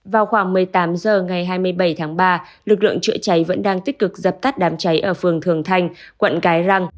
vào khoảng một mươi tám h ngày hai mươi bảy tháng ba lực lượng chữa cháy vẫn đang tích cực dập tắt đám cháy ở phường thường thành quận cái răng